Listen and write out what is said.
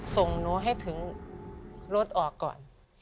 ส่งหนูให้ถึงรถออกก่อน